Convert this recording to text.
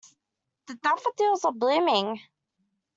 The daffodils are blooming.